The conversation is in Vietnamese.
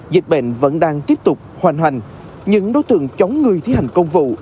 dịch bệnh vẫn đang tiếp tục hoàn hành nhưng đối tượng chống người thi hành công vụ